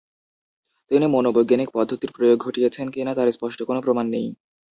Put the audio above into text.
তিনি মনোবৈজ্ঞানিক পদ্ধতির প্রয়োগ ঘটিয়েছেন কিনা তার স্পষ্ট কোনো প্রমাণ নেই।